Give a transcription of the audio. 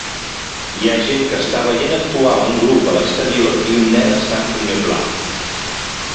Hi ha gent que està veient actuar a un grup a l'exterior i un nen està en primer pla.